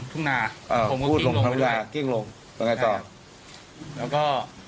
ทุ่มหน้าอ่าผมถึงลงไปด้วยคิ้งลงอย่างไรต่อแล้วก็